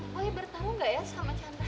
boy bertanggung gak ya sama chandra